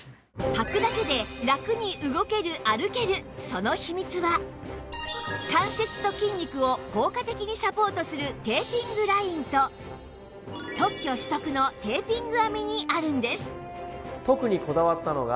その秘密は関節と筋肉を効果的にサポートするテーピングラインと特許取得のテーピング編みにあるんです